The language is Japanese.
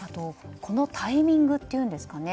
このタイミングというんですかね